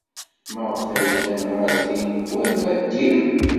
Maɣef ay ddan ɣer din war ma ddiɣ?